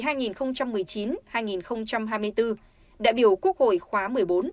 đại biểu quốc hội khóa một mươi bốn